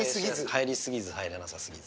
入り過ぎず入らなさすぎず。